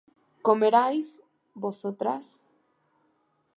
¿comeríais vosotras?